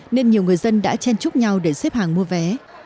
nên nhiều người dân đã chen chúc nhau để xếp hàng mua vé